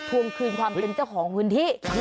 ทวงคืนความเป็นเจ้าของพื้นที่